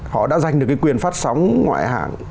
họ đã giành được quyền phát sóng ngoại hãng